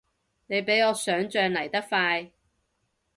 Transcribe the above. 你比我想像嚟得快